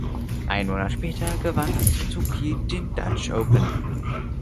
Einen Monat später gewann Suzuki die Dutch Open.